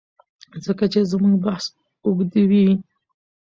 ځکه چي زموږ بحث اوږديوي